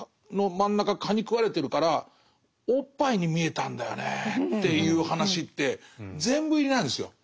蚊にくわれてるからおっぱいに見えたんだよねっていう話って全部入りなんですよ。